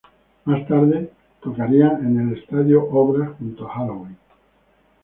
Más tarde tocarían en el estadio Obras junto a Helloween.